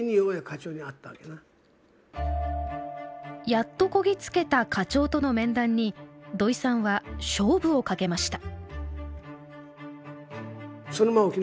やっとこぎつけた課長との面談に肥さんは勝負をかけました。